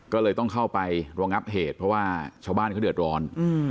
ก็เลยต้องเข้าไปรองับเหตุเพราะว่าชาวบ้านเขาเดือดร้อน